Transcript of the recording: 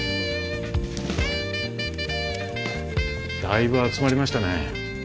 だいぶ集まりましたね。